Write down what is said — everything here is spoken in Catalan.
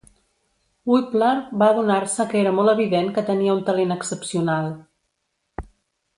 Wippler va adonar-se que era molt evident que tenia un talent excepcional.